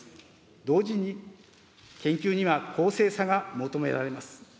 同時に、研究には公正さが求められます。